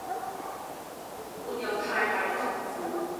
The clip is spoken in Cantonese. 沒有太大的痛苦